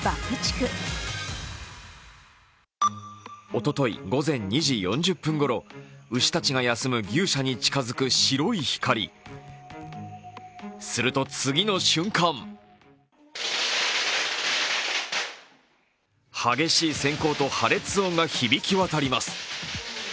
おととい午前２時４０分ごろ牛たちが休む牛舎に近づく白い光すると、次の瞬間激しいせん光と破裂音が響き渡ります。